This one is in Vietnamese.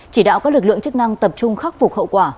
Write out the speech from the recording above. chỉ đạo các lực lượng chức năng tập trung khắc phục hậu quả